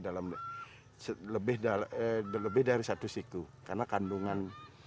dalam lebih dalam lebih dari satu siku karena kandungan